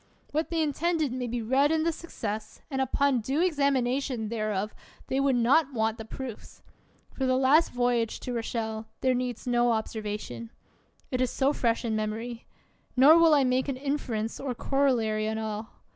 What they intended may be read in the success, and upon due examination thereof they would not want the proofs. For the last voyage to Rochelle, there heeds no observation ; it is so fresh in mem ory. Nor will I make an inference or corollary on all.